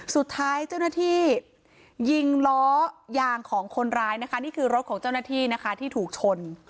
สุดท้ายเจ้าหน้าที่ยิงล้อยางของคนร้ายนะคะนี่คือรถของเจ้าหน้าที่นะคะที่ถูกชน